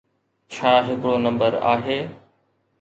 ڇا ھڪڙو نمبر آھي؟